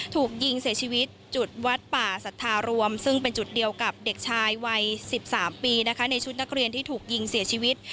ถูกยิงเสียชีวิตจุดวัดป่าสัทธารวมซึ่งเป็นจุดเดียวกับเด็กชายวัย๑๓ปีนะคะในชุดนักเรียนที่ถูกยิงเสียชีวิต